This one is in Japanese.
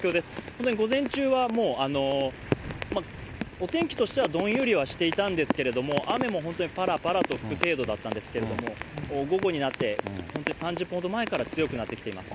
本当に午前中はお天気としてはどんよりはしていたんですけれども、雨も本当にぱらぱらと降る程度だったんですけれども、午後になって、本当に３０分ほど前から強くなってきています。